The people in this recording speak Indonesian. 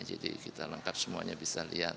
jadi kita lengkap semuanya bisa lihat